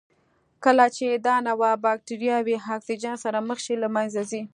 کله چې دا نوعه بکټریاوې اکسیجن سره مخ شي له منځه ځي.